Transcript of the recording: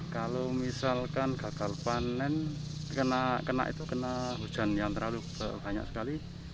kalau misalkan kegagalan panen kena hujan yang terlalu banyak sekali